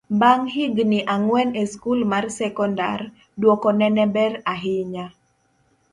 bang' higni ang'wen e skul mar sekondar, dwokone ne ber ahinya